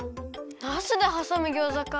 なすではさむギョーザか。